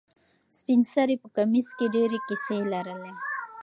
سپین سرې په کمیس کې ډېرې کیسې لرلې.